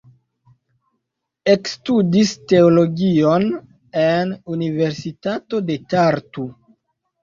Ekstudis teologion en Universitato de Tartu.